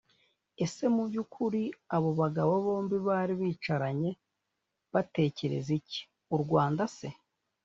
ese mu byukuri abo bagabo bombi bari bicaranye batekereza iki? u rwanda se?